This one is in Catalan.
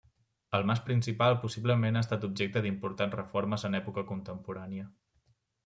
El mas principal possiblement ha estat objecte d'importants reformes en època contemporània.